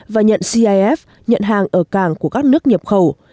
và nhận cif nhận hàng ở cảng của các nước nhập khẩu